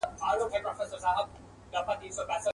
ګل دي کم لاچي دي کم لونګ دي کم.